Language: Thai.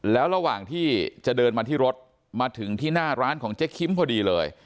แล้วระหว่างที่จะเดินมาที่รถมาถึงที่หน้าร้านของเจ๊คิมพอดีเลย